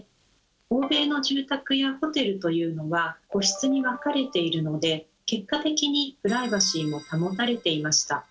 欧米の住宅やホテルというのは個室に分かれているので結果的にプライバシーも保たれていました。